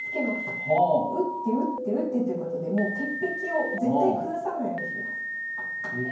打って打って打ってということでもう鉄壁を絶対崩さないようにします。